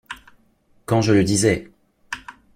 Quand je le disais!